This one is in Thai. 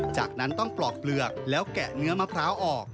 จากนั้นต้องปลอกเปลือกแล้วแกะเนื้อมะพร้าวออก